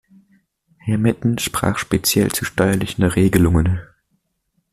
Herr Metten sprach speziell zu steuerlichen Regelungen.